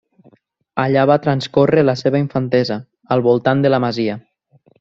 Allà va transcórrer la seva infantesa, al voltant de la masia.